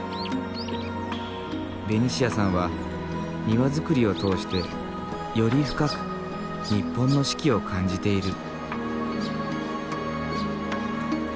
ベニシアさんは庭づくりを通してより深く日本の四季を感じている。